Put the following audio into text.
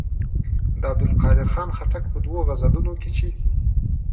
د عبدالقادر خان خټک په دوو غزلونو کې چې.